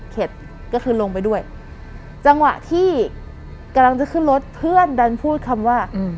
ก็คือลงไปด้วยจังหวะที่กำลังจะขึ้นรถเพื่อนดันพูดคำว่า